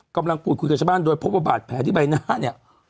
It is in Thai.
กำลังพูดคุยกับชาวบ้านโดยพบว่าบาดแผลที่ใบหน้าเนี่ย